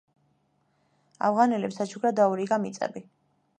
ავღანელებს საჩუქრად დაურიგა მიწები.